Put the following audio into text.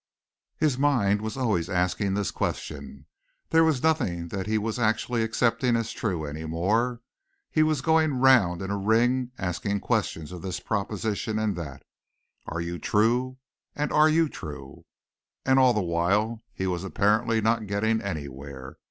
His mind was always asking this question. There was nothing that he was actually accepting as true any more. He was going round in a ring asking questions of this proposition and that. Are you true? And are you true? And are you true? And all the while he was apparently not getting anywhere.